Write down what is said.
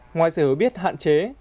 ngoài sự biết hạn chế